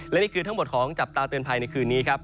และนี่คือทั้งหมดของจับตาเตือนภัยในคืนนี้ครับ